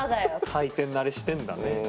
回転慣れしてんだね。